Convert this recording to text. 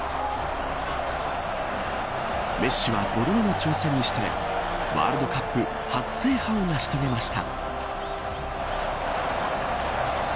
メッシは５度目の挑戦にしてワールドカップ初制覇を成し遂げました。